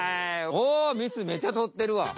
おおみつめちゃ取ってるわ。